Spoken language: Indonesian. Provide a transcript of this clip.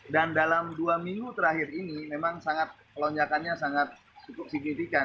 dan dalam dua minggu terakhir ini memang sangat lonjakannya sangat cukup signifikan